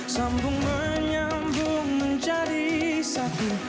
sambung menyambung menjadi satu